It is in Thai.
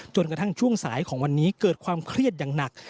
จนกระทั่งช่วงสายของวันนี้เกิดความเครียดอย่างหนัก